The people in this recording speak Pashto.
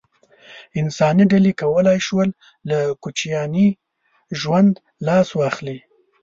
انساني ډلې وکولای شول له کوچیاني ژوند لاس واخلي.